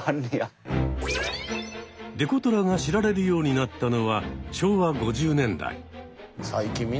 デコトラが知られるようになったのは昭和５０年代。